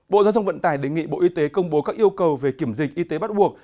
bộ giao thông vận tải đề nghị bộ y tế công bố các yêu cầu về kiểm dịch y tế bắt buộc